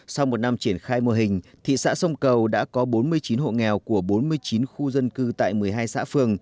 sau một năm triển khai mô hình thị xã sông cầu đã có bốn mươi chín hộ nghèo của bốn mươi chín khu dân cư tại một mươi hai xã phường